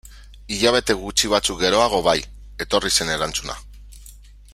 Hilabete gutxi batzuk geroago bai, etorri zen erantzuna.